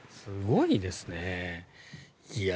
すごいですね。